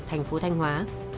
thành phố thanh hóa